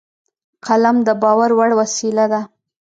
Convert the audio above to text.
قلم د باور وړ وسیله ده